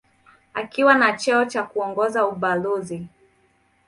Akiwa na cheo cha kuongoza ubalozi.